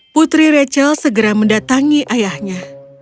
putri rachel segera mendatangi ayahnya